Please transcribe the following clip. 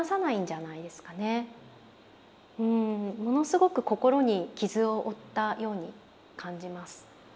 ものすごく心に傷を負ったように感じます。